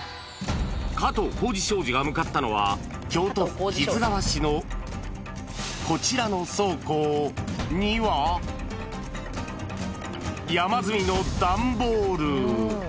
加藤浩次商事が向かったのは、京都府木津川市のこちらの倉庫には、山積みの段ボール。